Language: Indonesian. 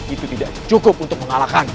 itu tidak cukup untuk mengalahkan